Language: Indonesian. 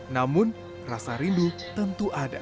namun rasa rindu tentu ada